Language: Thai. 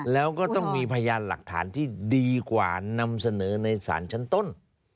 แล้วก็ต้องมีพยานหลักฐานที่ดีกว่านำเสนอในศาลชั้นต้น